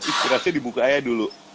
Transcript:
inspirasi dibuka aja dulu